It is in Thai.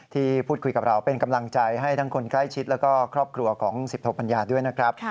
ที่พูดคุยกับเราเป็นกำลังใจให้ทั้งคนใกล้ชิดแล้วก็ครอบครัวของสิบโทปัญญาด้วยนะครับ